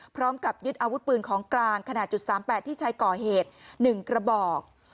พร้อมกับยึดอาวุธปืนของกลางขนาด๓๘ที่ใช้ก่อเหตุ๑กระบอก